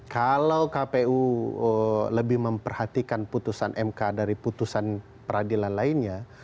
kalau kpu lebih memperhatikan putusan mk dari putusan peradilan lainnya